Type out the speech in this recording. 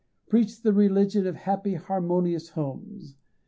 Preach the religion of happy harmonious homes.